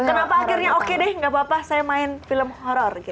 kenapa akhirnya oke deh gak apa apa saya main film horror gitu